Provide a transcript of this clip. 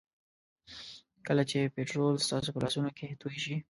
کله چې پټرول ستاسو په لاسونو کې توی شي.